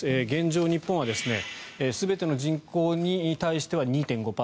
現状、日本は全ての人口に対しては２．５％。